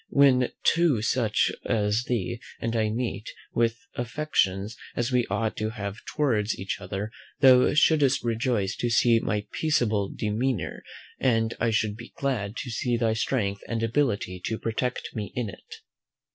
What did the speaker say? When two such as thee and I meet, with affections as we ought to have towards each other, thou shouldst rejoice to see my peaceable demeanour, and I should be glad to see thy strength and ability to protect me in it."